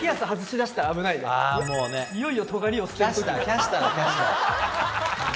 いよいよとがりを捨てる時。